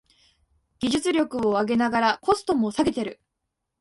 技術力を上げながらコストも下げてる